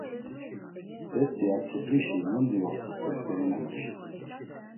Bet̆i a tzip̌rişi mundi ort̆u teft̆erinamuşi.